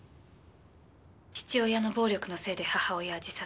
父親の暴力のせいで母親は自殺。